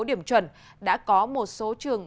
điểm chuẩn đã có một số trường